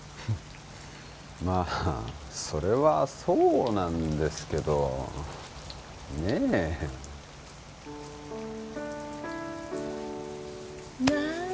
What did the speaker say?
まあそれはそうなんですけどねえ何？